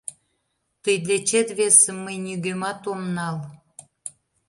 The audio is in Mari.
— Тый дечет весым мый нигӧмат ом нал...